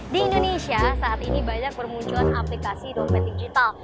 di indonesia saat ini banyak bermunculan aplikasi dompet digital